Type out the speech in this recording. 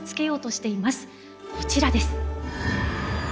こちらです。